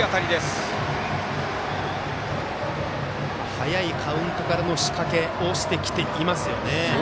早いカウントからの仕掛けをしてきてますよね。